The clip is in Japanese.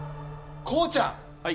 こうちゃん。